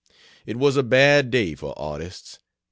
It was a bad day for artists.